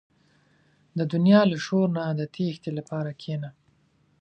• د دنیا له شور نه د تیښتې لپاره کښېنه.